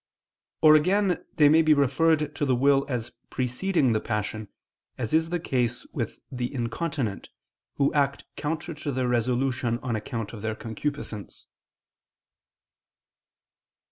Or again they may be referred to the will as preceding the passion, as is the case with the incontinent, who act counter to their resolution on account of their concupiscence.